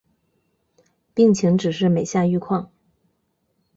病情只是每下愈况